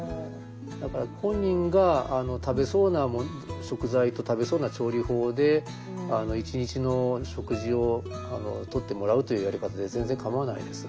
だから本人が食べそうな食材と食べそうな調理法で一日の食事をとってもらうというやり方で全然かまわないです。